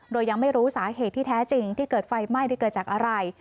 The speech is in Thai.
โดยยังไม่รู้สาเหตุที่แท้จริงที่เกิดไฟไหม้ได้เกิดจากอะไร